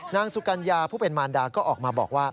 นางสุกัญญาผู้เป็นมารดาก็ออกมาบอกว่า